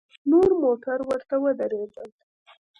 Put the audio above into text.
نور موټر ورته ودرېدل.